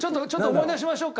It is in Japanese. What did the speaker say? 思い出しましょう。